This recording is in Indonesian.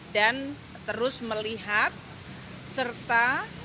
dan terus melihat serta